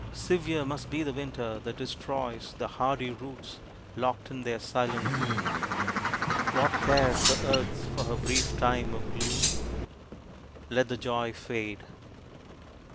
Severe must be the winter that destroys The hardy roots locked in their silent tomb. What cares the earth for her brief time of gloom? Let the joy fade!